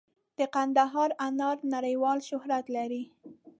د کندهار انار نړیوال شهرت لري.